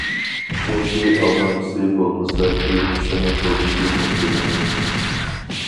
چۈنكى ئالدىنقىسى بولمىسا كېيىنكىسىنىڭ بولۇشى مۇمكىن ئەمەس.